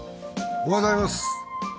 おはようございます。